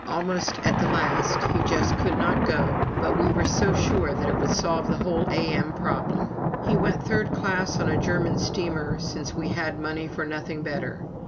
Almost at the last he just could not go; but we were so sure that it would solve the whole A.M. problem. He went third class on a German steamer, since we had money for nothing better.